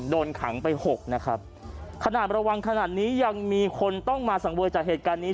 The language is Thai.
โดนขังไปหกนะครับขนาดระวังขนาดนี้ยังมีคนต้องมาสังเวยจากเหตุการณ์นี้